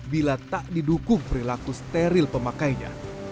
bila tak didukung perilaku steril pemakainya